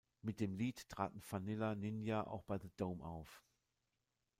Mit dem Lied traten Vanilla Ninja auch bei "The Dome" auf.